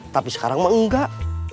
tapi sekarang enggak